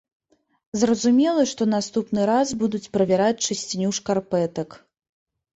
Зразумела, што наступны раз будуць правяраць чысціню шкарпэтак.